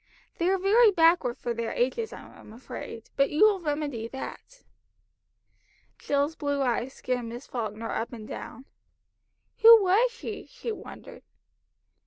They are very backward for their ages, I am afraid, but you will remedy that." Jill's blue eyes scanned Miss Falkner up and down. "Who was she?" she wondered.